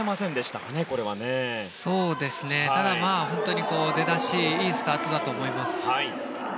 ただ、出だしいいスタートだと思います。